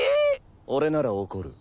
俺なら怒る。